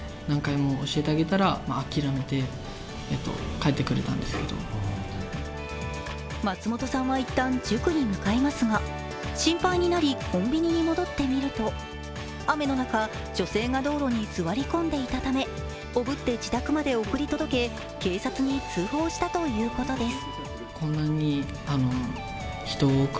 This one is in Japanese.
そこで松本さんは一旦、塾に向かいますが、心配になり、コンビニに戻ってみると、雨の中、女性が道路に座り込んでいたためおぶって自宅まで送り届け警察に通報したということです。